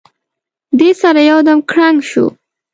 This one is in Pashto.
دې سره یو دم کړنګ شو.